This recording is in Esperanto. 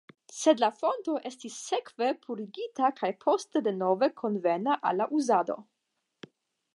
Sed la fonto estis sekve purigita kaj poste denove konvena al la uzado.